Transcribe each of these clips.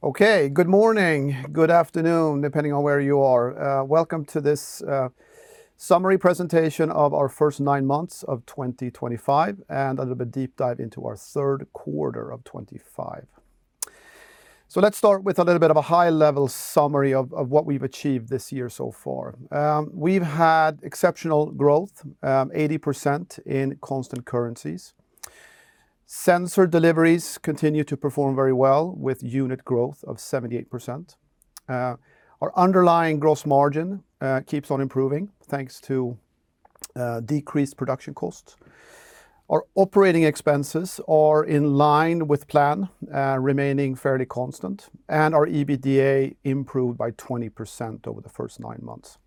Okay, good morning, good afternoon, depending on where you are. Welcome to this summary presentation of our first nine months of 2025 and a little bit deep dive into our third quarter of 2025. So let's start with a little bit of a high-level summary of what we've achieved this year so far. We've had exceptional growth, 80% in constant currencies. Sensor deliveries continue to perform very well with unit growth of 78%. Our underlying gross margin keeps on improving thanks to decreased production costs. Our operating expenses are in line with plan, remaining fairly constant, and our EBITDA improved by 20% over the first nine months.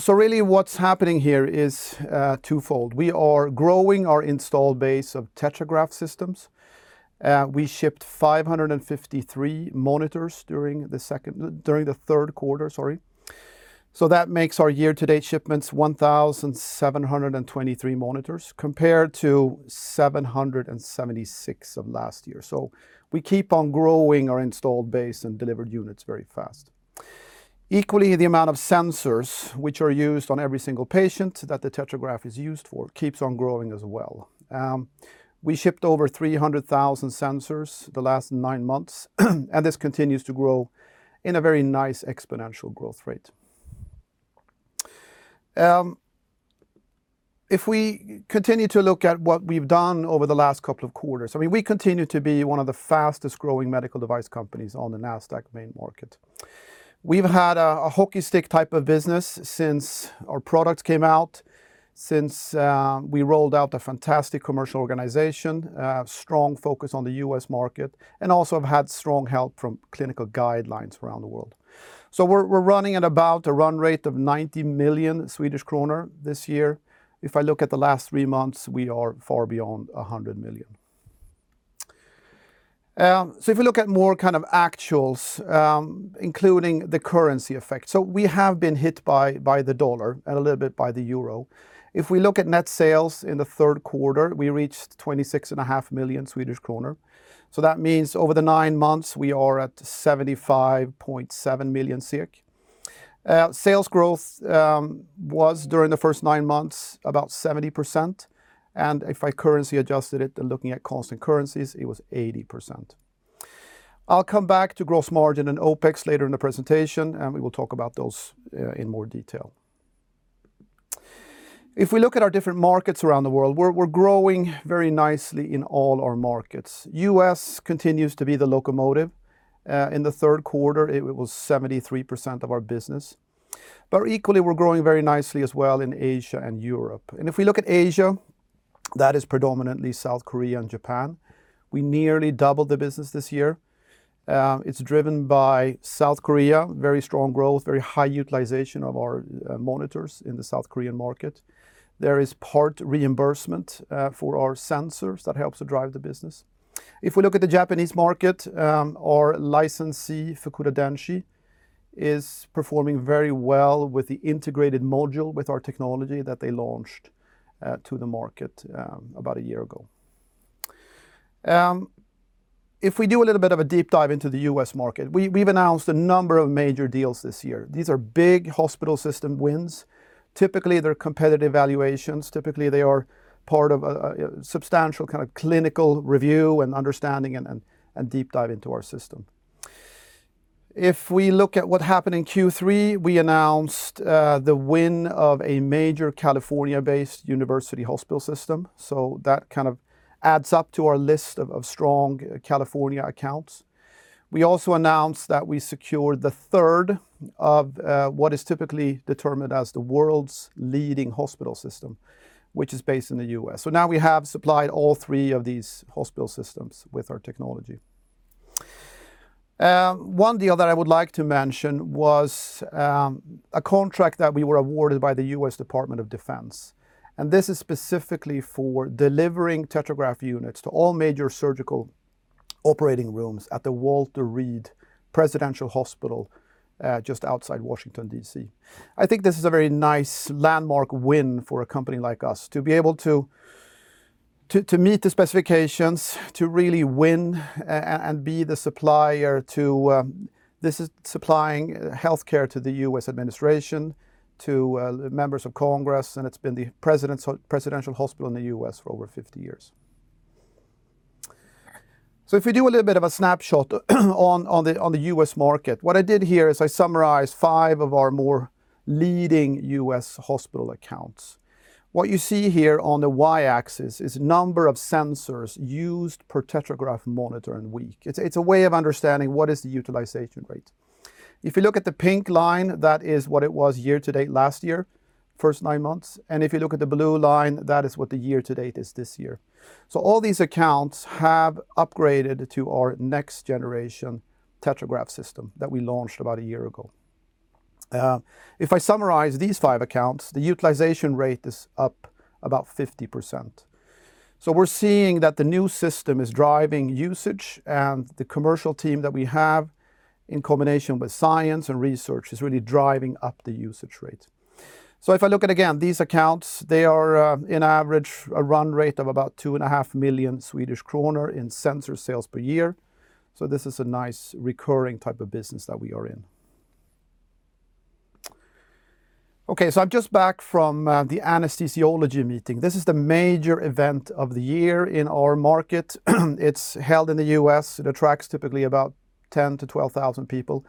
So really what's happening here is twofold. We are growing our install base of TetraGraph systems. We shipped 553 monitors during the second, during the third quarter, sorry. So that makes our year-to-date shipments 1,723 monitors compared to 776 of last year. So we keep on growing our install base and delivered units very fast. Equally, the amount of sensors which are used on every single patient that the TetraGraph is used for keeps on growing as well. We shipped over 300,000 sensors the last nine months, and this continues to grow in a very nice exponential growth rate. If we continue to look at what we've done over the last couple of quarters, I mean, we continue to be one of the fastest-growing medical device companies on the Nasdaq main market. We've had a hockey stick type of business since our products came out, since we rolled out a fantastic commercial organization, strong focus on the U.S. market, and also have had strong help from clinical guidelines around the world. So we're running at about a run rate of 90 million Swedish kronor this year. If I look at the last three months, we are far beyond 100 million, so if we look at more kind of actuals, including the currency effect, so we have been hit by the dollar and a little bit by the euro. If we look at net sales in the third quarter, we reached 26.5 million Swedish kronor, so that means over the nine months we are at 75.7 million SEK. Sales growth was during the first nine months about 70%, and if I currency-adjusted it and looking at constant currencies, it was 80%. I'll come back to gross margin and OpEx later in the presentation, and we will talk about those in more detail. If we look at our different markets around the world, we're growing very nicely in all our markets. U.S. continues to be the locomotive. In the third quarter, it was 73% of our business. But equally, we're growing very nicely as well in Asia and Europe. And if we look at Asia, that is predominantly South Korea and Japan. We nearly doubled the business this year. It's driven by South Korea, very strong growth, very high utilization of our monitors in the South Korean market. There is part reimbursement for our sensors that helps to drive the business. If we look at the Japanese market, our licensee, Fukuda Denshi, is performing very well with the integrated module with our technology that they launched to the market about a year ago. If we do a little bit of a deep dive into the U.S. market, we've announced a number of major deals this year. These are big hospital system wins. Typically, they're competitive valuations. Typically, they are part of a substantial kind of clinical review and understanding and deep dive into our system. If we look at what happened in Q3, we announced the win of a major California-based university hospital system. So that kind of adds up to our list of strong California accounts. We also announced that we secured the third of what is typically determined as the world's leading hospital system, which is based in the U.S. So now we have supplied all three of these hospital systems with our technology. One deal that I would like to mention was a contract that we were awarded by the U.S. Department of Defense. And this is specifically for delivering TetraGraph units to all major surgical operating rooms at the Walter Reed Residential Hospital just outside Washington, D.C. I think this is a very nice landmark win for a company like us to be able to meet the specifications, to really win and be the supplier to this. It's supplying healthcare to the U.S. administration, to members of Congress, and it's been the presidential hospital in the U.S. for over 50 years, so if we do a little bit of a snapshot on the U.S. market, what I did here is I summarized five of our more leading U.S. hospital accounts. What you see here on the Y axis is the number of sensors used per TetraGraph monitor and week. It's a way of understanding what is the utilization rate. If you look at the pink line, that is what it was year-to-date last year, first nine months, and if you look at the blue line, that is what the year-to-date is this year. So all these accounts have upgraded to our next-generation TetraGraph system that we launched about a year ago. If I summarize these five accounts, the utilization rate is up about 50%. So we're seeing that the new system is driving usage, and the commercial team that we have in combination with science and research is really driving up the usage rate. So if I look at, again, these accounts, they are on average a run rate of about 2.5 million Swedish kronor in sensor sales per year. So this is a nice recurring type of business that we are in. Okay, so I'm just back from the anesthesiology meeting. This is the major event of the year in our market. It's held in the U.S. It attracts typically about 10,000-12,000 people.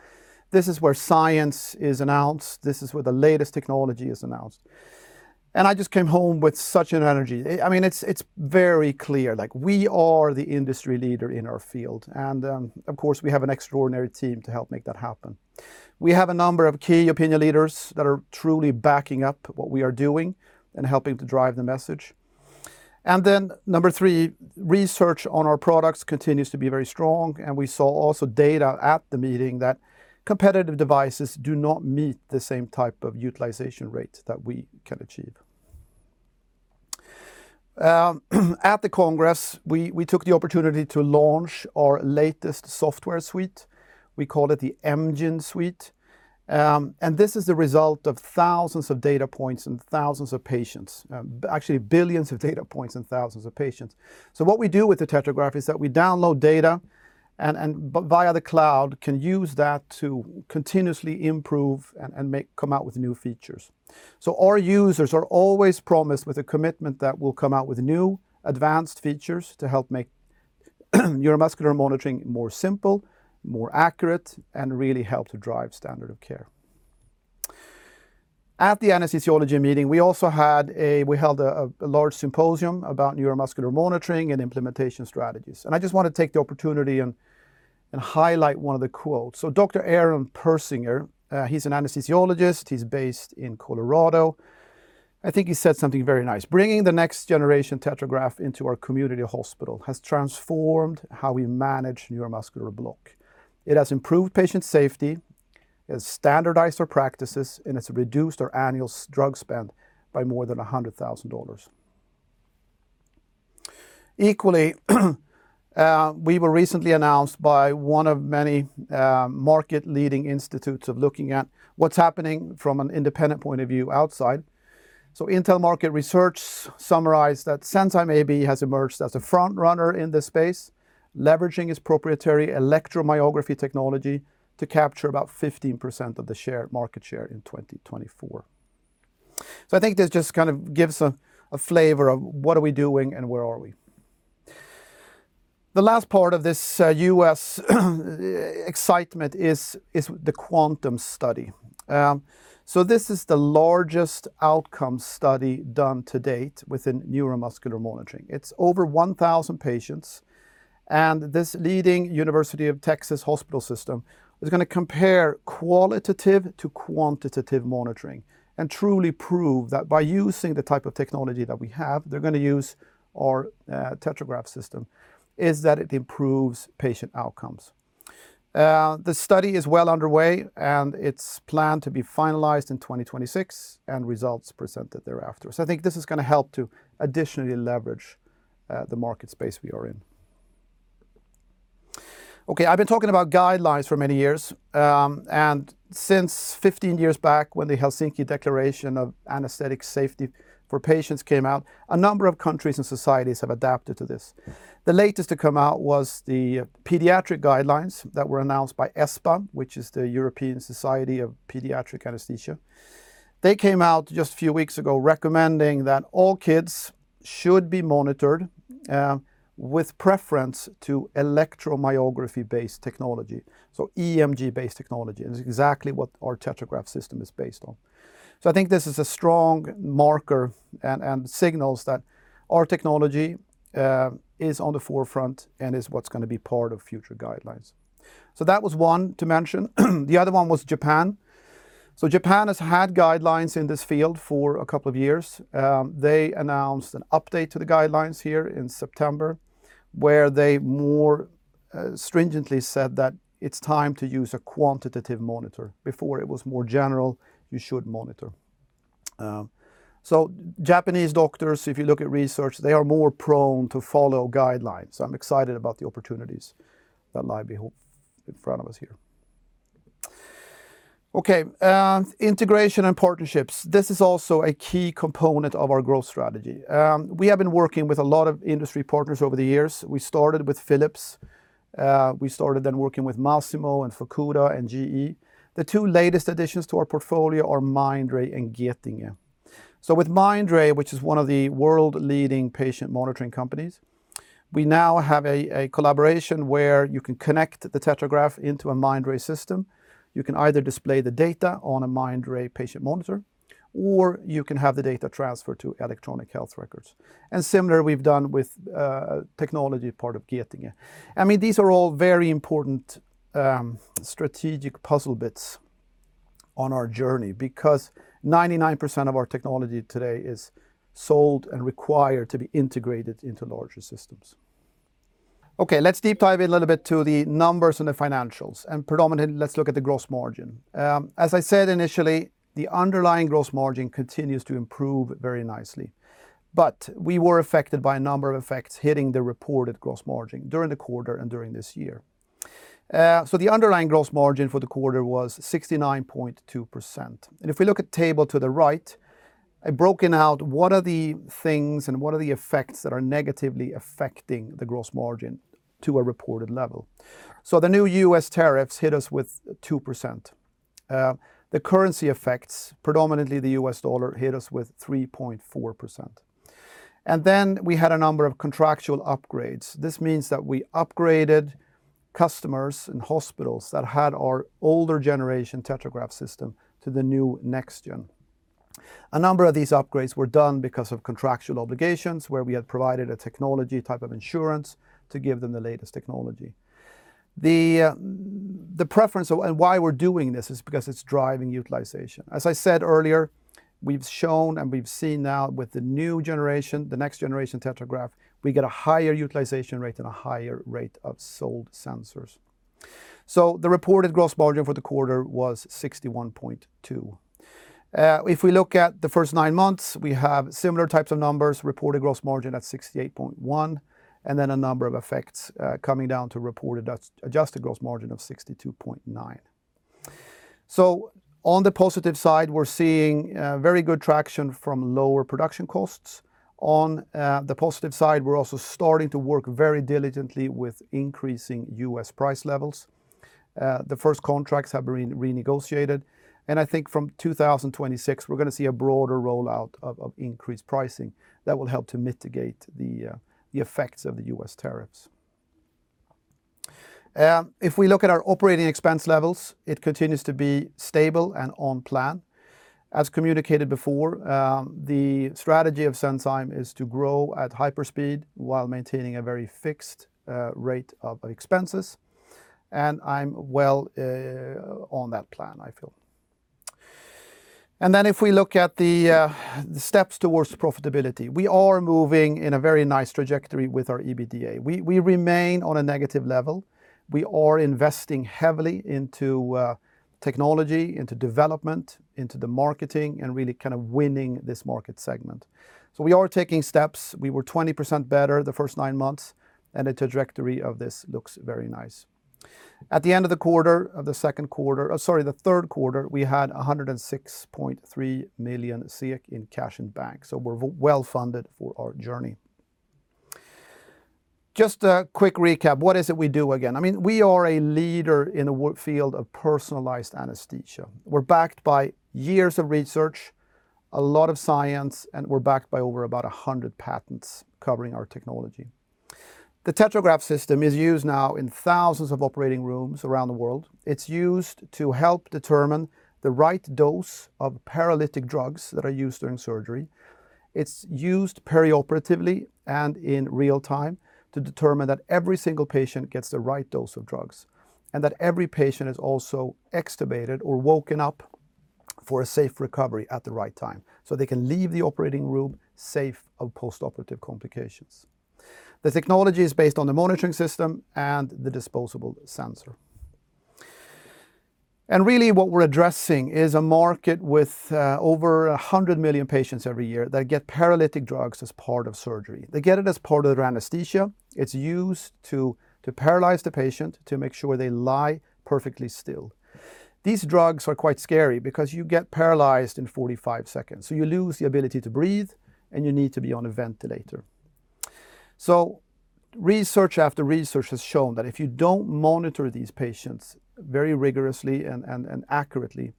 This is where science is announced. This is where the latest technology is announced. I just came home with such an energy. I mean, it's very clear that we are the industry leader in our field. Of course, we have an extraordinary team to help make that happen. We have a number of key opinion leaders that are truly backing up what we are doing and helping to drive the message. Then number three, research on our products continues to be very strong. We saw also data at the meeting that competitive devices do not meet the same type of utilization rate that we can achieve. At the Congress, we took the opportunity to launch our latest software suite. We call it the EMGINE suite. This is the result of thousands of data points and thousands of patients, actually billions of data points and thousands of patients. So what we do with the TetraGraph is that we download data and via the cloud can use that to continuously improve and come out with new features. So our users are always promised with a commitment that we'll come out with new advanced features to help make neuromuscular monitoring more simple, more accurate, and really help to drive standard of care. At the anesthesiology meeting, we also had, we held a large symposium about neuromuscular monitoring and implementation strategies. And I just want to take the opportunity and highlight one of the quotes. So Dr. Aaron Persinger, he's an Anesthesiologist. He's based in Colorado. I think he said something very nice. "Bringing the next-generation TetraGraph into our community hospital has transformed how we manage neuromuscular block. It has improved patient safety, has standardized our practices, and it's reduced our annual drug spend by more than $100,000. Equally, we were recently announced by one of many market-leading institutes looking at what's happening from an independent point of view outside, so Intelmarket Research summarized that Senzime AB has emerged as a front runner in this space, leveraging its proprietary electromyography technology to capture about 15% of the market share in 2024, so I think this just kind of gives a flavor of what are we doing and where are we. The last part of this U.S. excitement is the QUANTUM study, so this is the largest outcome study done to date within neuromuscular monitoring. It's over 1,000 patients, and this leading University of Texas System is going to compare qualitative to quantitative monitoring and truly prove that by using the type of technology that we have, they're going to use our TetraGraph system, is that it improves patient outcomes. The study is well underway, and it's planned to be finalized in 2026 and results presented thereafter, so I think this is going to help to additionally leverage the market space we are in. Okay, I've been talking about guidelines for many years, and since 15 years back, when the Helsinki Declaration on Patient Safety in Anaesthesiology came out, a number of countries and societies have adapted to this. The latest to come out was the pediatric guidelines that were announced by ESPA, which is the European Society for Paediatric Anaesthesiology. They came out just a few weeks ago recommending that all kids should be monitored with preference to electromyography-based technology, so EMG-based technology, and it's exactly what our TetraGraph system is based on. So I think this is a strong marker and signals that our technology is on the forefront and is what's going to be part of future guidelines. So that was one to mention. The other one was Japan. So Japan has had guidelines in this field for a couple of years. They announced an update to the guidelines here in September where they more stringently said that it's time to use a quantitative monitor. Before, it was more general, you should monitor. So Japanese doctors, if you look at research, they are more prone to follow guidelines. So I'm excited about the opportunities that lie in front of us here. Okay, integration and partnerships. This is also a key component of our growth strategy. We have been working with a lot of industry partners over the years. We started with Philips. We started, then, working with Masimo and Fukuda and GE. The two latest additions to our portfolio are Mindray and Getinge. So with Mindray, which is one of the world-leading patient monitoring companies, we now have a collaboration where you can connect the TetraGraph into a Mindray system. You can either display the data on a Mindray patient monitor, or you can have the data transferred to electronic health records. And similar we've done with technology part of Getinge. I mean, these are all very important strategic puzzle bits on our journey because 99% of our technology today is sold and required to be integrated into larger systems. Okay, let's deep dive in a little bit to the numbers and the financials. And predominantly, let's look at the gross margin. As I said initially, the underlying gross margin continues to improve very nicely. But we were affected by a number of effects hitting the reported gross margin during the quarter and during this year. So the underlying gross margin for the quarter was 69.2%. And if we look at the table to the right, I broke out what are the things and what are the effects that are negatively affecting the gross margin to a reported level. So the new U.S. tariffs hit us with 2%. The currency effects, predominantly the U.S. dollar, hit us with 3.4%. And then we had a number of contractual upgrades. This means that we upgraded customers and hospitals that had our older generation TetraGraph system to the new next-gen. A number of these upgrades were done because of contractual obligations where we had provided a technology type of insurance to give them the latest technology. The preference and why we're doing this is because it's driving utilization. As I said earlier, we've shown and we've seen now with the new generation, the next generation TetraGraph, we get a higher utilization rate and a higher rate of sold sensors, so the reported gross margin for the quarter was 61.2. If we look at the first nine months, we have similar types of numbers, reported gross margin at 68.1, and then a number of effects coming down to reported adjusted gross margin of 62.9, so on the positive side, we're seeing very good traction from lower production costs. On the positive side, we're also starting to work very diligently with increasing U.S. price levels. The first contracts have been renegotiated, and I think from 2026, we're going to see a broader rollout of increased pricing that will help to mitigate the effects of the U.S. tariffs. If we look at our operating expense levels, it continues to be stable and on plan. As communicated before, the strategy of Senzime is to grow at hyper speed while maintaining a very fixed rate of expenses. And I'm well on that plan, I feel. And then if we look at the steps towards profitability, we are moving in a very nice trajectory with our EBITDA. We remain on a negative level. We are investing heavily into technology, into development, into the marketing, and really kind of winning this market segment. So we are taking steps. We were 20% better the first nine months, and the trajectory of this looks very nice. At the end of the quarter, of the second quarter, sorry, the third quarter, we had 106.3 million in cash and bank. So we're well funded for our journey. Just a quick recap. What is it we do again? I mean, we are a leader in the field of personalized anesthesia. We're backed by years of research, a lot of science, and we're backed by over about 100 patents covering our technology. The TetraGraph system is used now in thousands of operating rooms around the world. It's used to help determine the right dose of paralytic drugs that are used during surgery. It's used perioperatively and in real time to determine that every single patient gets the right dose of drugs and that every patient is also extubated or woken up for a safe recovery at the right time so they can leave the operating room safe of post-operative complications. The technology is based on the monitoring system and the disposable sensor. And really, what we're addressing is a market with over 100 million patients every year that get paralytic drugs as part of surgery. They get it as part of their anesthesia. It's used to paralyze the patient to make sure they lie perfectly still. These drugs are quite scary because you get paralyzed in 45 seconds. So you lose the ability to breathe, and you need to be on a ventilator. So research after research has shown that if you don't monitor these patients very rigorously and accurately,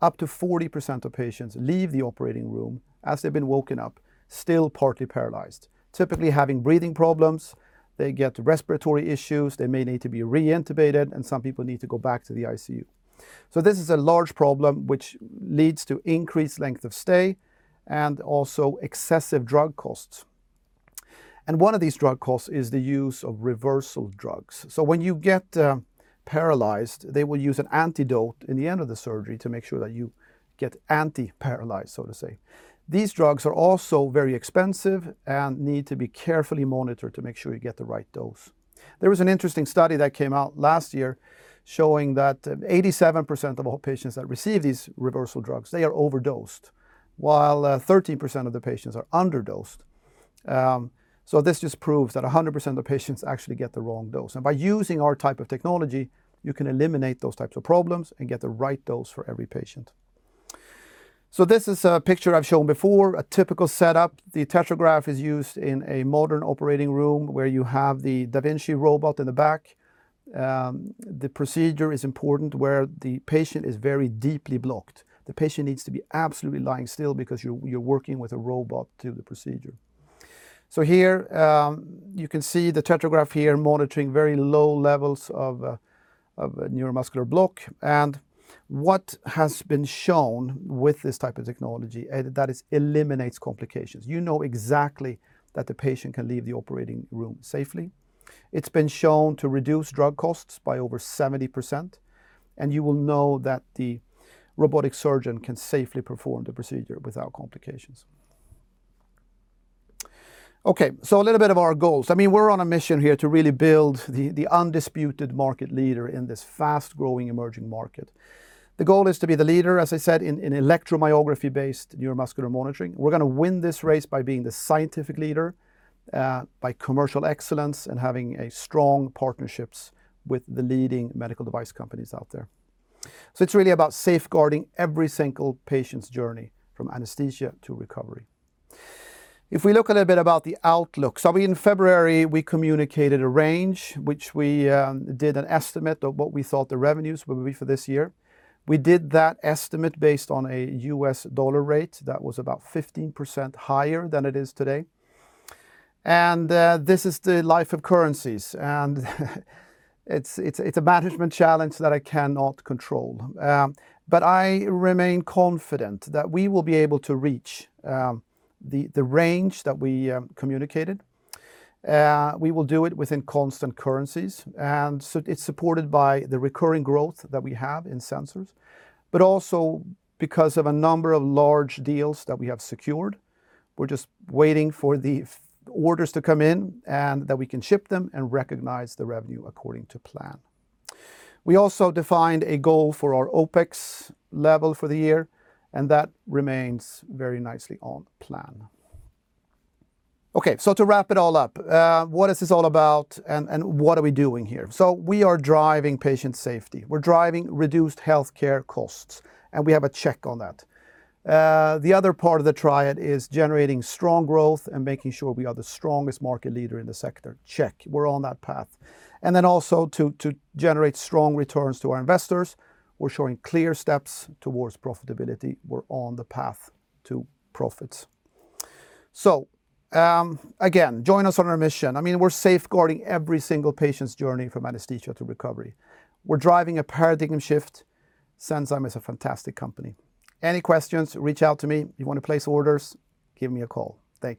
up to 40% of patients leave the operating room as they've been woken up, still partly paralyzed, typically having breathing problems. They get respiratory issues. They may need to be reintubated, and some people need to go back to the ICU. So this is a large problem, which leads to increased length of stay and also excessive drug costs. One of these drug costs is the use of reversal drugs. So when you get paralyzed, they will use an antidote in the end of the surgery to make sure that you get anti-paralyzed, so to say. These drugs are also very expensive and need to be carefully monitored to make sure you get the right dose. There was an interesting study that came out last year showing that 87% of all patients that receive these reversal drugs, they are overdosed, while 13% of the patients are underdosed. So this just proves that 100% of patients actually get the wrong dose. And by using our type of technology, you can eliminate those types of problems and get the right dose for every patient. So this is a picture I've shown before, a typical setup. The TetraGraph is used in a modern operating room where you have the da Vinci robot in the back. The procedure is important where the patient is very deeply blocked. The patient needs to be absolutely lying still because you're working with a robot to the procedure. So here you can see the TetraGraph here monitoring very low levels of neuromuscular block. And what has been shown with this type of technology is that it eliminates complications. You know exactly that the patient can leave the operating room safely. It's been shown to reduce drug costs by over 70%. And you will know that the robotic surgeon can safely perform the procedure without complications. Okay, so a little bit of our goals. I mean, we're on a mission here to really build the undisputed market leader in this fast-growing emerging market. The goal is to be the leader, as I said, in electromyography-based neuromuscular monitoring. We're going to win this race by being the scientific leader, by commercial excellence, and having strong partnerships with the leading medical device companies out there. So it's really about safeguarding every single patient's journey from anesthesia to recovery. If we look a little bit about the outlook, so in February, we communicated a range, which we did an estimate of what we thought the revenues would be for this year. We did that estimate based on a U.S. dollar rate that was about 15% higher than it is today. And this is the life of currencies. And it's a management challenge that I cannot control. But I remain confident that we will be able to reach the range that we communicated. We will do it within constant currencies. And so it's supported by the recurring growth that we have in sensors, but also because of a number of large deals that we have secured. We're just waiting for the orders to come in and that we can ship them and recognize the revenue according to plan. We also defined a goal for our OpEx level for the year, and that remains very nicely on plan. Okay, so to wrap it all up, what is this all about and what are we doing here? So we are driving patient safety. We're driving reduced healthcare costs, and we have a check on that. The other part of the triad is generating strong growth and making sure we are the strongest market leader in the sector. Check, we're on that path. And then also to generate strong returns to our investors, we're showing clear steps towards profitability. We're on the path to profits. So again, join us on our mission. I mean, we're safeguarding every single patient's journey from anesthesia to recovery. We're driving a paradigm shift. Senzime is a fantastic company. Any questions, reach out to me. If you want to place orders, give me a call. Thank you.